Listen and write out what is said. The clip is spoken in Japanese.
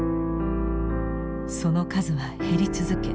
その数は減り続け